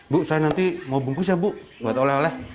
bu saya nanti mau bungkus ya bu buat oleh oleh